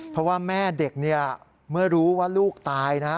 เพราะว่าแม่เด็กเนี่ยเมื่อรู้ว่าลูกตายนะ